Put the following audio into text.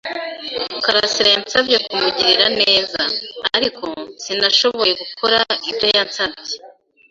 karasira yansabye kumugirira neza. Ariko, sinashoboye gukora ibyo yansabye.